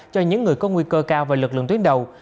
cho những người có nguy cơ cao và lực lượng tuyến đầu